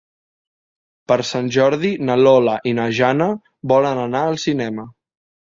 Per Sant Jordi na Lola i na Jana volen anar al cinema.